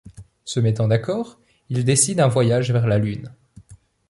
Se mettant d'accord, ils décident un voyage vers la Lune.